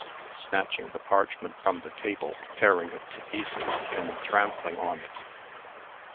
(snatching the parchment from the table, tearing it to pieces, and trampling on it).